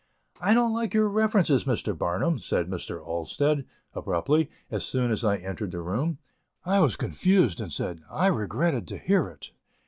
"I don't like your references, Mr. Barnum," said Mr. Olmsted, abruptly, as soon as I entered the room. I was confused, and said "I regretted to hear it."